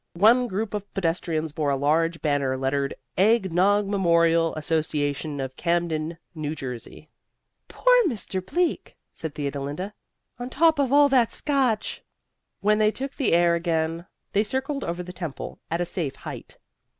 One group of pedestrians bore a large banner lettered EGG NOG MEMORIAL ASSOCIATION OF CAMDEN, N. J. "Poor Mr. Bleak!" said Theodolinda. "On top of all that Scotch!" When they took the air again they circled over the temple at a safe height.